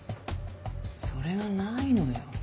それがないのよ。